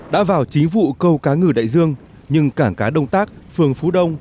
đã vào trí vụ câu cá ngừ đại dương nhưng cảng cá đông tác phường phú đông